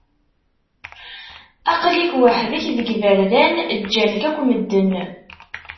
Aql-ik weḥd-k deg iberdan, ǧǧan-k akk medden.